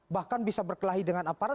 bahkan bisa berkelahi dengan aparat